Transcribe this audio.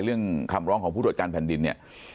เรื่องคำร้องของผู้ตรวจการแผ่นดินเนี่ย